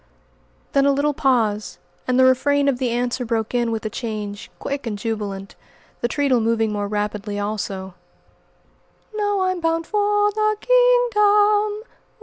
Then a little pause, and the refrain of the answer broke in with a change, quick and jubilant, the treadle moving more rapidly, also: "No, I'm bound for the kingdom!